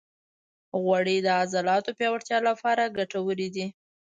غوړې د عضلاتو پیاوړتیا لپاره ګټورې دي.